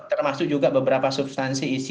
termasuk juga beberapa substansi isi